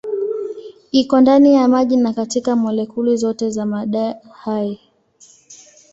Iko ndani ya maji na katika molekuli zote za mada hai.